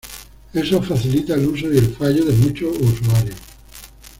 Eso facilita el uso y el fallo de muchos usuarios.